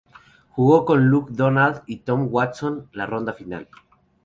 Jugó con Luke Donald y Tom Watson la ronda final.